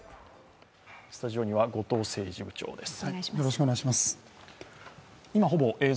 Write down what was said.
スタジオには後藤政治部長です。